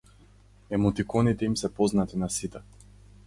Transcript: Емотиконите им се познати на сите.